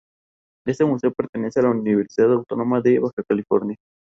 Además ha realizado investigaciones sobre la influencia alemana en la sociedad costarricense.